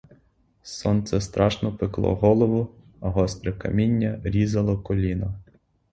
Сонце страшно пекло голову, а гостре каміння різало коліна.